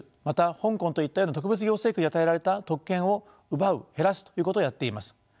また香港といったような特別行政区に与えられた特権を奪う減らすということをやっています。